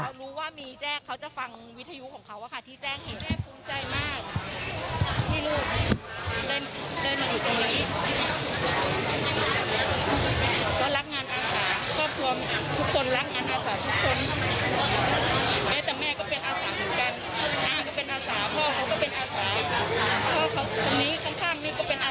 แล้วก็จะติดตามคำสั่งของเขาว่าที่อยากให้ที่มันเรียนโจทย์